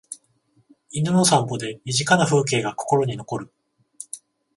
犬の散歩で身近な風景が心に残る